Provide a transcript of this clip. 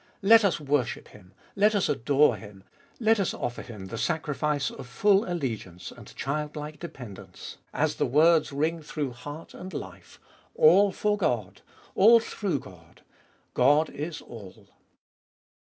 Let us worship Him ! Let us adore Him ! Let us offer Him the sacrifice of full allegiance and child like dependence, as the words ring through heart and life — ALL FOR GOD ! ALL THROUGH GOD ! GOD is ALL.